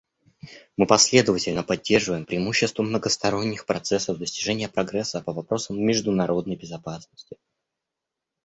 Мы последовательно поддерживаем преимущества многосторонних процессов достижения прогресса по вопросам международной безопасности.